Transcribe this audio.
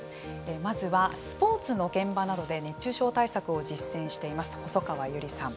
まずはスポーツの現場などで熱中症対策を実践しています細川由梨さん。